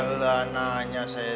boleh tanya saya